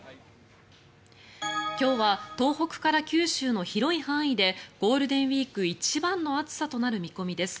今日は東北から九州の広い範囲でゴールデンウィーク一番の暑さとなる見込みです。